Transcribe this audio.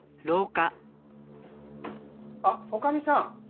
あっ女将さん。